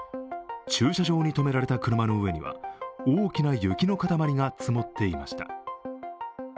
駐車場に止められた車の上には大きな雪の塊が積もっていました。